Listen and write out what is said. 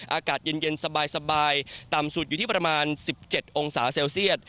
อากาศเย็นสบายต่ำสุดอยู่ที่ประมาณ๑๗องศาเซลเซียต